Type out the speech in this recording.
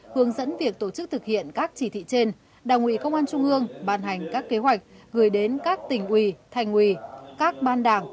hướng dẫn việc tổ chức thực hiện các chỉ thị trên đảng ủy công an trung ương ban hành các kế hoạch gửi đến các tỉnh ủy thành ủy các ban đảng